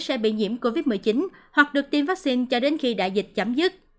sẽ bị nhiễm covid một mươi chín hoặc được tiêm vaccine cho đến khi đại dịch chấm dứt